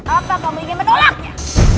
apa kamu ingin menolaknya